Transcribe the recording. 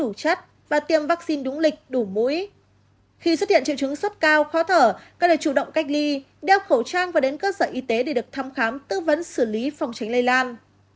khi xuất hiện triệu chứng sốt cao khó thở cần chủ động cách ly đeo khẩu trang và đến cơ sở y tế để được thăm khám tư vấn xử lý phòng tránh lây lan